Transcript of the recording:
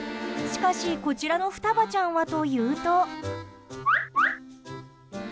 しかし、こちらのふたばちゃんはというと。